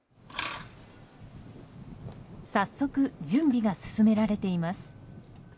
早速準備が進められています。